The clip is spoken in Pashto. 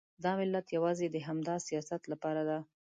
دا ملت یوازې د همدا سیاست لپاره دی.